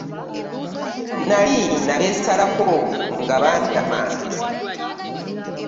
Nnali nabeesalako nga bantama.